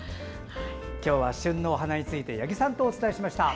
今日は旬のお花について八木さんとお伝えしました。